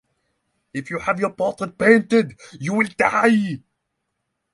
If you have your portrait painted, you will die.